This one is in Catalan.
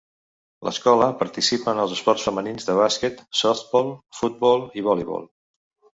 L'escola participa en els esports femenins de bàsquet, softbol, futbol i voleibol.